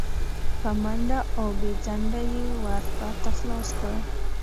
په منډه او بې ځنډه یې ور راته خلاص کړ.